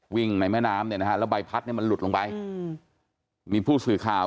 ในแม่น้ำเนี่ยนะฮะแล้วใบพัดเนี่ยมันหลุดลงไปอืมมีผู้สื่อข่าว